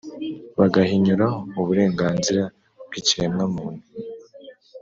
bagahinyura uburenganzira bw’ikiremwamuntu